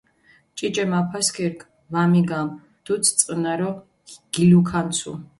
ჭიჭე მაფასქირქ ვამიგამჷ, დუდს წყჷნარო გილუქანცუ.